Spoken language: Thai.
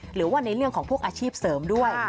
หรือว่าในเรื่องของพวกอาชีพเสริมด้วย